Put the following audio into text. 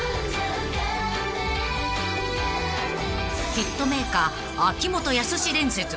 ［ヒットメーカー秋元康伝説］